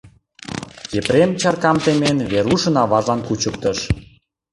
Епрем, чаркам темен, Верушын аважлан кучыктыш.